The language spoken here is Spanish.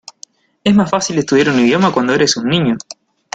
Es más fácil estudiar un idioma cuando eres un niño.